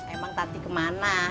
emang tadi kemana